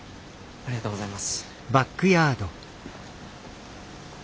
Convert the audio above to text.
ありがとうございます。